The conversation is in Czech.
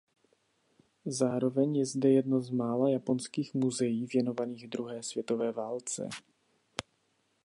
Zároveň je zde jedno z mála japonských muzeí věnovaných druhé světové válce.